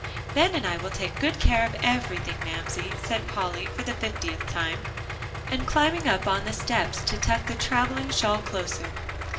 "Ben and I will take good care of everything, Mamsie," said Polly for the fiftieth time, and climbing up on the steps to tuck the traveling shawl closer.